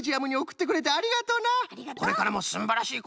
これからもすんばらしい